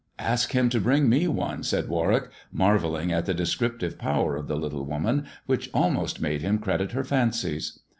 " Ask him to bring me one," said Warwick, marvelling at the descriptive power of the little woman, which almost made him credit her fancies.